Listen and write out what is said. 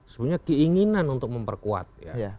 sebenarnya keinginan untuk memperkuat